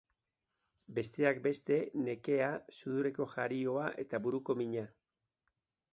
Besteak beste, nekea, sudurreko jarioa eta buruko mina.